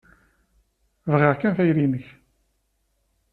Bɣiɣ kan tayri-nnek.